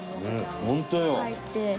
本当よ！